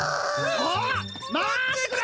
あっ待ってくれ！